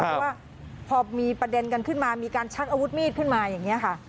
เพราะว่าพอมีประเด็นกันขึ้นมามีการชักอาวุธมีดขึ้นมาอย่างนี้ค่ะ